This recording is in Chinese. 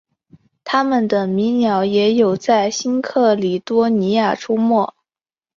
它们的迷鸟也有在新喀里多尼亚出没。